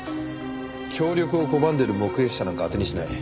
協力を拒んでる目撃者なんか当てにしない。